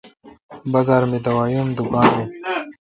بازار می دوای ام دکان این۔